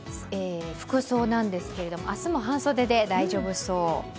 服装なんですけれども、明日も半袖で大丈夫そう。